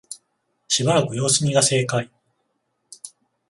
しばらく様子見が正解